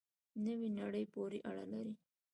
نوې نړۍ پورې اړه لري.